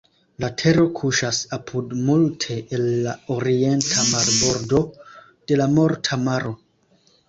La tero kuŝas apud multe el la orienta marbordo de la Morta Maro.